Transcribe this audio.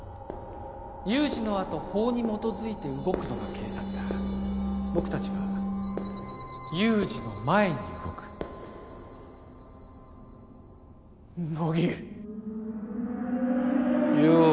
有事のあと法に基づいて動くのが警察だ僕達は有事の前に動く乃木よう